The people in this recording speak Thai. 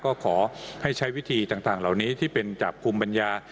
ก็ขอให้ใช้วิธีต่างเหล่านี้ที่เป็นจากภูมิปัญญา